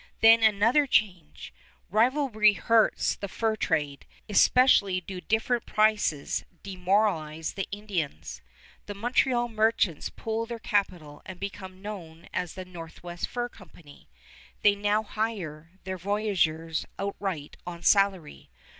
Then another change. Rivalry hurts fur trade. Especially do different prices demoralize the Indians. The Montreal merchants pool their capital and become known as the Northwest Fur Company. They now hire their voyageurs outright on a salary.